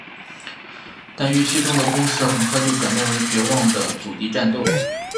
但预期中的攻势很快就转变成绝望的阻敌战斗。